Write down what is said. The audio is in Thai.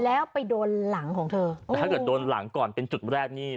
แล้วไปโดนหลังของเธอแต่ถ้าเกิดโดนหลังก่อนเป็นจุดแรกนี่